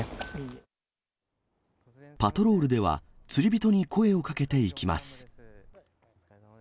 パトロールでは、釣り人に声をかけていきます。